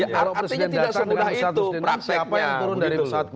artinya tidak semudah itu